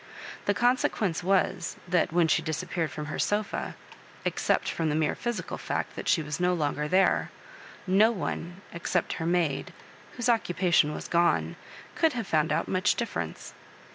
The consequence was, that when she disappeared from her sofa ^except from the mere physical fact that she was no longer there — ^no one, except her maid, whose occupation was gone, could have found out much difference.